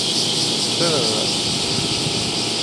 Сығығыҙ!